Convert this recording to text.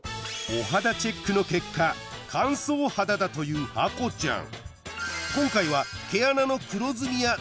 お肌チェックの結果乾燥肌だというハコちゃん